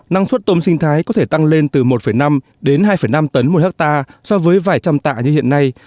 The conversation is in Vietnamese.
năng suất tôm sinh thái có thể tăng lên từ một năm đến hai năm tấn một hectare so với vài trăm tạ như hiện nay